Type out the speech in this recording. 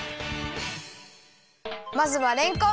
まずはれんこん。